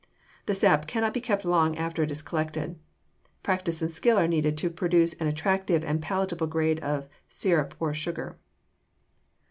The sap cannot be kept long after it is collected. Practice and skill are needed to produce an attractive and palatable grade of sirup or of sugar.